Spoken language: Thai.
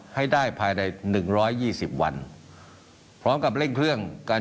ให้ได้ภายในหนึ่งร้อยยี่สิบวันพร้อมกับเร่งเครื่องการ